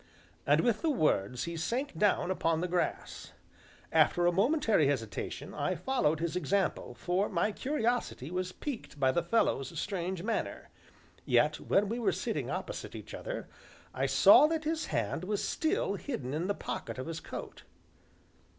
And with the words he sank down upon the grass. After a momentary hesitation, I followed his example, for my curiosity was piqued by the fellow's strange manner; yet, when we were sitting opposite each other, I saw that his hand was still hidden in the pocket of his coat.